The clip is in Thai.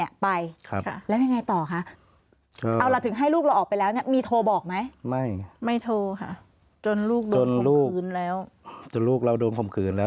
อ่ะที่นี้โก้ตเลยให้เขาไป